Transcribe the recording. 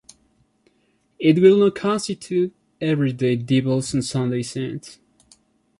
It will not constitute every day devils and Sunday saints.